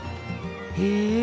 へえ。